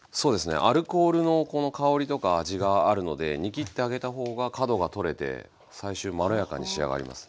アルコールのこの香りとか味があるので煮きってあげた方が角が取れてまろやかに仕上がります。